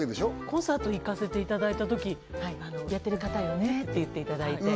コンサート行かせていただいたとき「やってる方よね」って言っていただいて